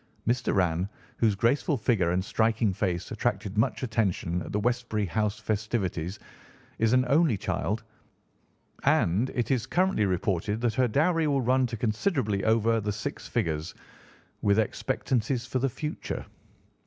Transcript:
Miss Doran, whose graceful figure and striking face attracted much attention at the Westbury House festivities, is an only child, and it is currently reported that her dowry will run to considerably over the six figures, with expectancies for the future.